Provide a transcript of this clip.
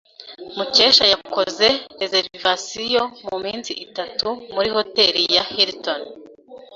Mukesha yakoze reservation muminsi itatu muri Hotel ya Hilton.